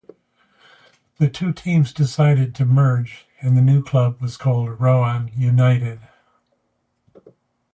The two teams decided to merge and the new club was called Roan United.